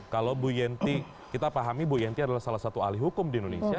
kalau bu yenty kita pahami bu yenti adalah salah satu ahli hukum di indonesia